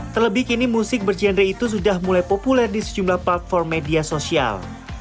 terlebih kini musik bergenre itu sudah mulai populer di sejumlah platform media sosial